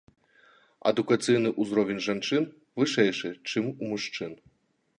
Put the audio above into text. Адукацыйны ўзровень жанчын вышэйшы, чым у мужчын.